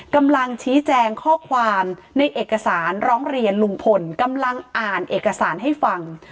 กำลังชี้แจงข้อความในเอกสารร้องเรียนลุงพลกำลังอ่านเอกสารให้ฟัง